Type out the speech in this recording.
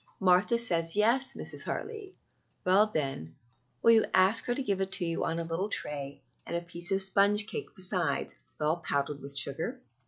"Martha says yes, Mrs. Hartley." "Well, then, will you ask her to give it to you on a little tray, and a piece of sponge cake besides, well powdered with sugar?"